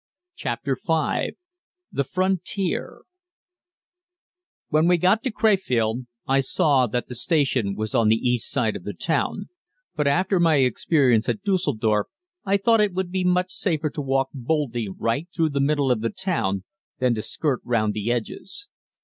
CHAPTER V THE FRONTIER When we got to Crefeld I saw that the station was on the east side of the town, but after my experience at Düsseldorf I thought it would be much safer to walk boldly right through the middle of the town than to skirt round the edges.